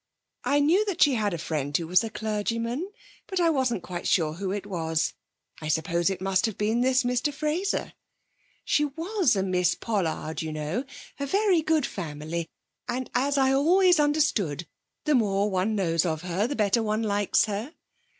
I knew that she had a friend who was a clergyman, but I wasn't quite sure who it was. I suppose it must have been this Mr Fraser. She was a Miss Pollard, you know, a very good family, and, as I always understood, the more one knows of her the better one likes her.